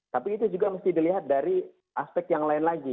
tapi itu juga mesti dilihat dari aspek yang lain lagi